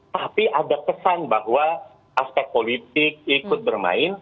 tapi ada kesan bahwa aspek politik ikut bermain